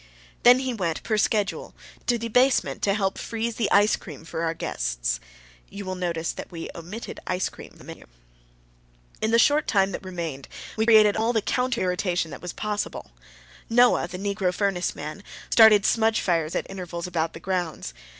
Then he went per schedule to the basement to help freeze the ice cream for our guests. You notice that we omitted ice cream from the menu. In the short time that remained we created all the counter irritation that was possible. Noah (negro furnace man) started smudge fires at intervals about the grounds.